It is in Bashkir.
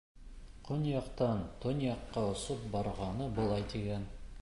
Көньяҡтан төньяҡҡа осоп барғаны былай тигән: